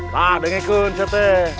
nah deng ikun sate